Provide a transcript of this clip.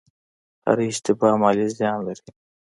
هره اشتباه مالي زیان لري.